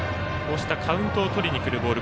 カウントをとりにくるボール